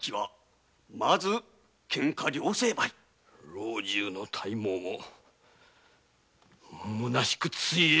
老中の大望もむなしくついえるか。